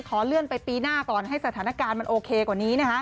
ขอเลื่อนไปปีหน้าก่อนให้สถานการณ์มันโอเคกว่านี้